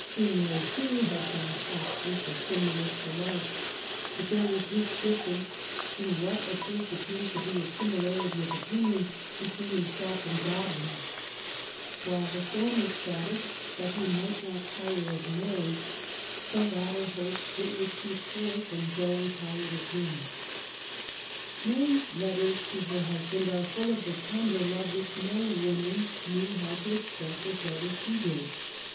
Imlay^ too^ had found absence a stimulus to love^ but there was this difference in what at first appears to be a similarity of opinion between himself and Gk>dwin; while the former sought it that he might not tire of Mary, the latter hoped it woiild keep her from growing tired of him. Mary^s letters to her husband are full of the tender love which no woman knew how to express as well as she did.